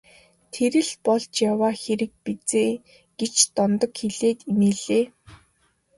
Тэр л болж яваа хэрэг биз ээ гэж Дондог хэлээд инээлээ.